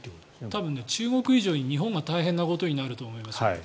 多分、中国以上に日本が大変なことになると思います。